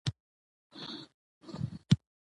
کابل د افغانستان د طبیعي زیرمو یوه لویه برخه ده.